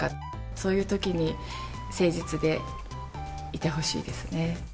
そういうときに誠実でいてほしいですね。